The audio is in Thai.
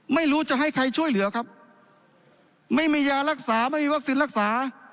ไม่รู้จะให้ใครช่วยเหลือครับไม่มียารักษาไม่มีวัคซีนรักษา